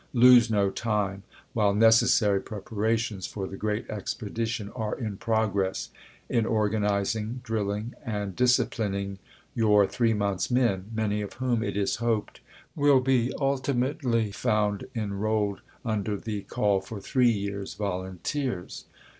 Lose no time, while necessary preparations for the great expedition are in progress, in organizing, drilling, and disciplining youi' three months' men, many of whom, it is hoped, will be ultimately found enrolled under the call for three years' volunteei's.